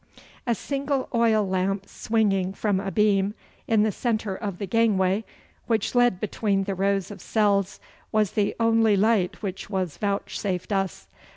A single oil lamp swinging from a beam in the centre of the gangway which led between the rows of cells was the only light which was vouchsafed us.